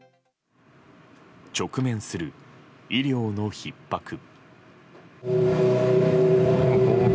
直面する医療のひっ迫。